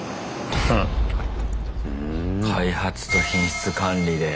開発と品質管理で。